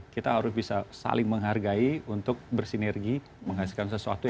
kita harus bisa saling menghargai untuk bersinergi menghasilkan sesuatu